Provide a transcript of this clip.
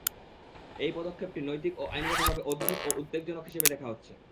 এই পদক্ষেপটি নৈতিক ও আইনগতভাবে অদ্ভুত ও উদ্বেগজনক হিসেবে দেখা হচ্ছে।